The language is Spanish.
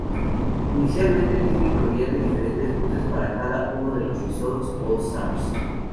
Inicialmente, Disney proveía de diferentes buses para cada uno de los resorts All-Star.